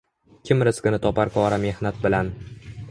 Kim rizqini topar qora mehnat bilan